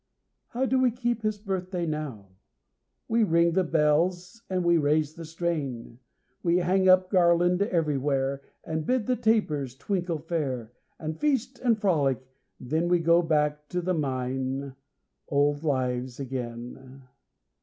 How do we keep his birthday now? We ring the bells and we raise the strain, We hang up garland, everywhere And bid the tapers, twinkle fair, And feast and frolic and then we go Back to the Mine old lives again.